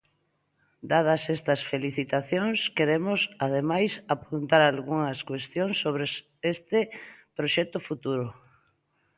Dadas estas felicitacións, queremos, ademais, apuntar algunhas cuestións sobre este proxecto futuro.